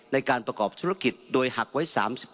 ในการประกอบธุรกิจโดยหักไว้๓๗